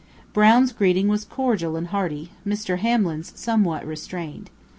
Brown's greeting was cordial and hearty, Mr. Hamlin's somewhat restrained.